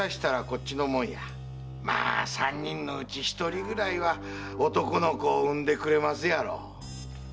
まぁ三人のうち一人ぐらいは男の子を生んでくれますやろ。